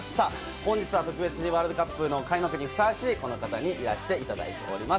本日は特別にワールドカップの開幕にふさわしいこの方にお越いただいております。